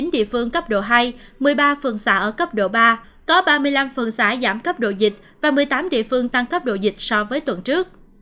một mươi địa phương cấp độ hai một mươi ba phường xã ở cấp độ ba có ba mươi năm phường xã giảm cấp độ dịch và một mươi tám địa phương tăng cấp độ dịch so với tuần trước